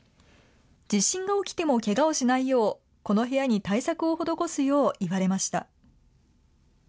地震が起きてもけがをしないよう、この部屋に対策を施すよう言われました。